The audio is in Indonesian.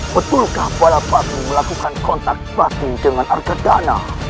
betulkah bala pati melakukan kontak pati dengan arga dana